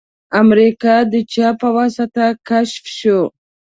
امریکا د چا په واسطه کشف شوه؟